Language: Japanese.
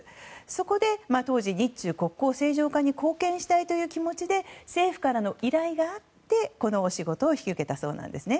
そこで当時、日中国交正常化に貢献したいという気持ちで政府からの依頼があってこのお仕事を引き受けたそうなんです。